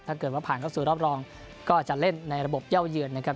ถ้าเกิดว่าผ่านเข้าสู่รอบรองก็จะเล่นในระบบเย่าเยือนนะครับ